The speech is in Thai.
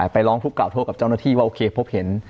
ไปร้องทุกขล่าโทษกับเจ้าหน้าที่ว่าโอเคพบเห็น